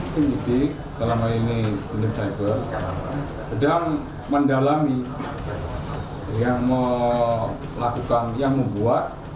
kepala biro penerangan masyarakat